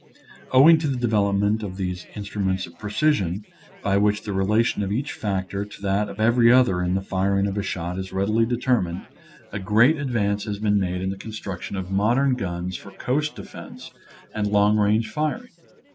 Owing to the development of these instru ments of precision, by which the relation of each factor to that of every other in the firing of a shot is readily determined, a great ad / I . Original from UNIVERSITY OF WISCONSIN 242 nature's Airaclee. vance has been made in the construction of modern guns for coast defense and long range firing.